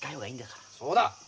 そうだ。